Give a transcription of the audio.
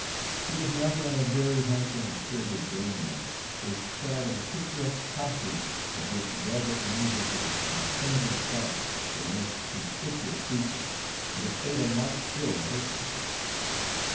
He was mounted on a very handsome and spirited bay mare, was clad in a picturesque costume, of which velvet knee breeches and a crimson scarf were the most conspicuous features, and displayed a marked skill in horsemanship.